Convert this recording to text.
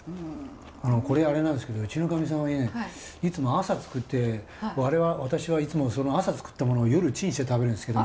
これあれなんですけどうちのかみさんはねいつも朝作って私はいつもその朝作ったものを夜チンして食べるんですけど。